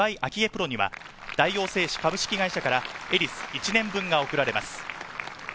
プロには大王製紙株式会社からエリス１年分が贈られます。